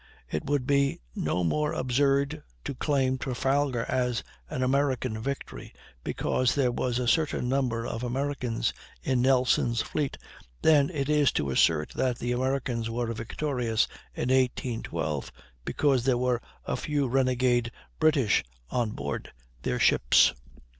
It would be no more absurd to claim Trafalgar as an American victory because there was a certain number of Americans in Nelson's fleet, than it is to assert that the Americans were victorious in 1812, because there were a few renegade British on board their ships.